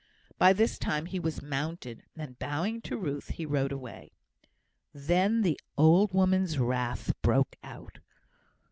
By this time he was mounted, and, bowing to Ruth, he rode away. Then the old woman's wrath broke out.